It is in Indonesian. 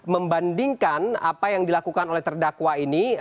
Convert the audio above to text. membandingkan apa yang dilakukan oleh terdakwa ini